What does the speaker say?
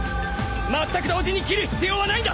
まったく同時に斬る必要はないんだ。